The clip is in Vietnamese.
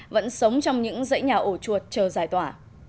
vẫn sống trong những dãy nhà ổ chuột chờ giải tỏa